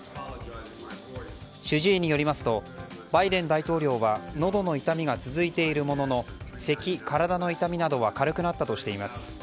主治医によりますとバイデン大統領はのどの痛みが続いているもののせき、体の痛みなどは軽くなったとしています。